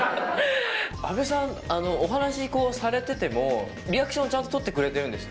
阿部さん、お話こうされてても、リアクションちゃんと取ってくれてるんですよ。